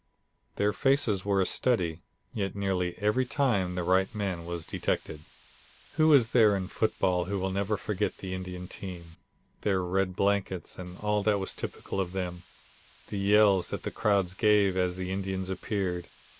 Their faces were a study, yet nearly every time the right man was detected. Who is there in football who will ever forget the Indian team, their red blankets and all that was typical of them; the yells that the crowds gave as the Indians appeared.